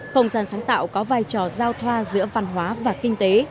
không gian sáng tạo có vai trò giao thoa giữa văn hóa và kinh tế